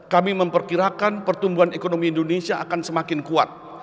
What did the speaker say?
kami memperkirakan pertumbuhan ekonomi indonesia akan semakin kuat